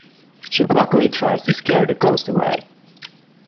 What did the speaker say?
She pluckily tries to scare the ghost away.